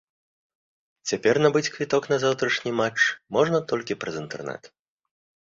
Цяпер набыць квіток на заўтрашні матч можна толькі праз інтэрнэт.